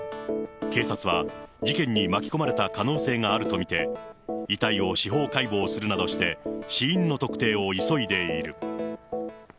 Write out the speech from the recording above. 警察は事件に巻き込まれた可能性があると見て、遺体を司法解剖するなどして、死因の特定を急いでいる。